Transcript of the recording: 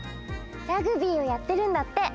ラグビーをやってるんだって。